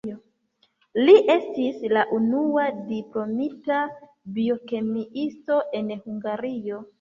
Li estis la unua diplomita biokemiisto en Hungario.